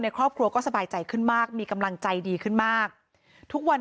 ครอบครัวก็สบายใจขึ้นมากมีกำลังใจดีขึ้นมากทุกวัน